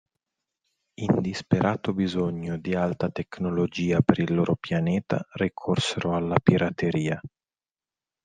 In disperato bisogno di alta tecnologia per il loro pianeta, ricorsero alla pirateria.